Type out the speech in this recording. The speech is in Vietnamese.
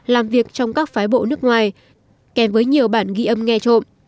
làm việc trong các phái bộ nước ngoài kèm với nhiều bản ghi âm nghe trộm